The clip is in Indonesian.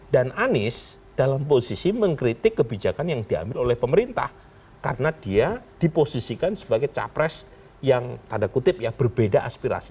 dan anies dalam posisi mengkritik kebijakan yang diambil oleh pemerintah karena dia diposisikan sebagai capres yang tanda kutip ya berbeda aspirasi